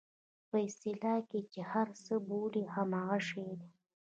په اصطلاح کې چې یې هر څه بولئ همغه شی دی.